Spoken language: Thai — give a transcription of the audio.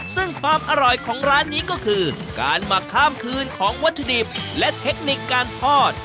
ซึ่งความอร่อยของร้านนี้ก็คือการหมักข้ามคืนของวัตถุดิบและเทคนิคการทอด